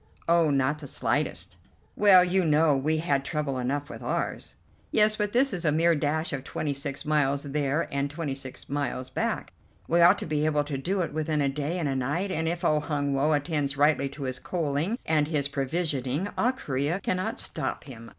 "Oh, not the slightest." "Well, you know, we had trouble enough with ours." "Yes, but this is a mere dash of twenty six miles there and twenty six miles back. We ought to be able to do it within a day and a night, and if old Hun Woe attends rightly to his coaling and his provisioning, all Corea cannot stop him.